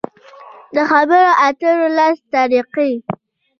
د خبرو اترو لس طریقې: